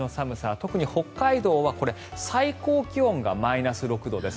特に北海道はこれ、最高気温がマイナス６度です。